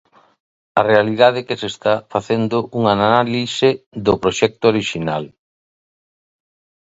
A realidade é que se está facendo unha análise do proxecto orixinal.